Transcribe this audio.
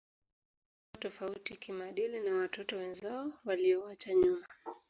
Wanakuwa tofauti kimaadili na watoto wenzao waliowaacha nyumbani